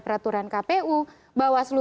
peraturan kpu bawaslu